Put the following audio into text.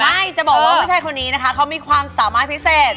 จะบอกว่าผู้ชายคนนี้นะคะเขามีความสามารถพิเศษ